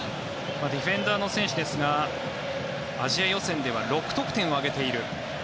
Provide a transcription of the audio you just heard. ディフェンダーの選手ですがアジア予選では６得点を挙げている。